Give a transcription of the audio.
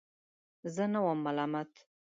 زه نه وم ملامت.